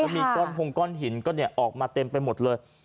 มีก้อนพงก้อนหินก็ออกมาเต็มไปหมดเลย